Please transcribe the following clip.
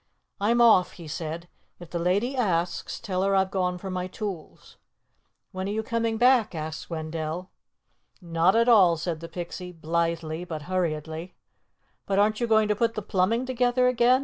"I'm off," he said. "If the lady asks, tell her I've gone for my tools." "When are you coming back?" asked Wendell. "Not at all," said the Pixie, blithely but hurriedly. "But aren't you going to put the plumbing together again?"